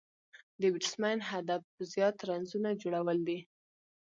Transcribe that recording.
د بېټسمېن هدف زیات رنزونه جوړول دي.